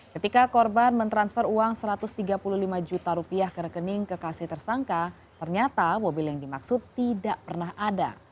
ketika korban mentransfer uang satu ratus tiga puluh lima juta rupiah ke rekening kekasih tersangka ternyata mobil yang dimaksud tidak pernah ada